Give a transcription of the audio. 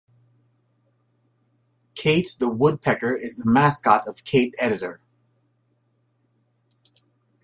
Kate the woodpecker is the mascot of Kate editor.